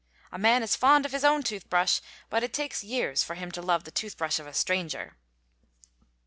A man is fond of his own toothbrush, but it takes years for him to love the tooth brush of a stranger.